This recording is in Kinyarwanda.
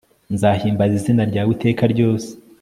nzahimbaza izina ryawe iteka ryose